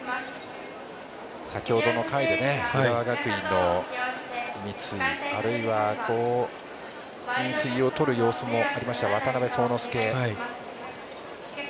先程の回で浦和学院の三井あるいは給水をとる様子もありました渡邉聡之介。